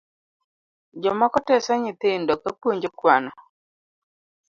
Jomoko teso nyithindo kapuonjo kwano